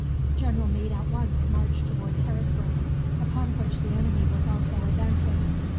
General Meade at once marched towards Harrisburg, upon which the enemy was also advancing.